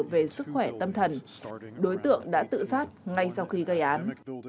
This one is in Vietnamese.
về sức khỏe tâm thần đối tượng đã tự sát ngay sau khi gây án